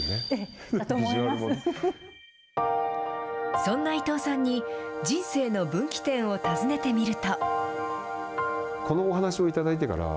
そんな伊藤さんに、人生の分岐点を尋ねてみると。